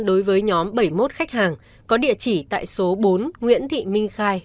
đối với nhóm bảy mươi một khách hàng có địa chỉ tại số bốn nguyễn thị minh khai